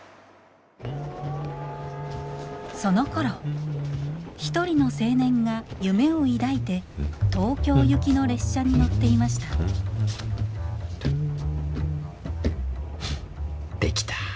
そのころ一人の青年が夢を抱いて東京行きの列車に乗っていました出来た。